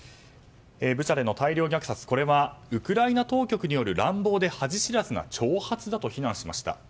ブチャでの大量虐殺はウクライナ当局による乱暴で恥知らずな挑発だと非難しました。